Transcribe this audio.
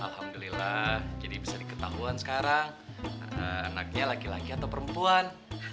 alhamdulillah jadi bisa diketahui sekarang anaknya laki laki atau perempuan